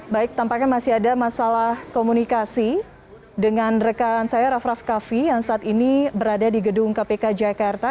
baik tampaknya masih ada masalah komunikasi dengan rekan saya raff raff kaffi yang saat ini berada di gedung kpk jakarta